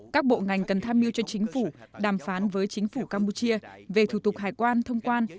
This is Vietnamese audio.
các bộ ngành cần tham mưu cho chính phủ đàm phán với chính phủ campuchia về thủ tục hải quan thông quan